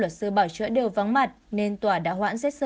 luật sư bảo chữa đều vắng mặt nên tòa đã hoãn xét xử